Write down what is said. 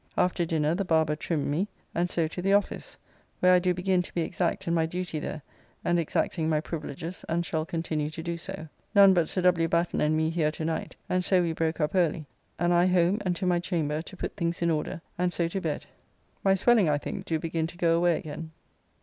After dinner the barber trimmed me, and so to the office, where I do begin to be exact in my duty there and exacting my privileges, and shall continue to do so. None but Sir W. Batten and me here to night, and so we broke up early, and I home and to my chamber to put things in order, and so to bed. My swelling I think do begin to go away again.